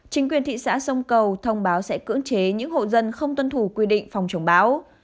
chính quyền thị xã sông cầu thông báo sẽ cưỡng chế những hộ dân không tuân thủ quy định phòng chống bão